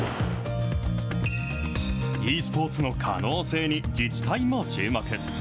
ｅスポーツの可能性に自治体も注目。